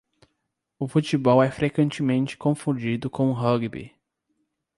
O futebol é frequentemente confundido com o rugby.